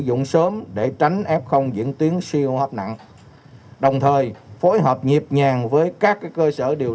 dụng sớm để tránh f diễn tiến siêu hấp nặng đồng thời phối hợp nhịp nhàng với các cơ sở điều